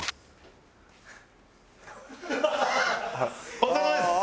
お疲れさまです！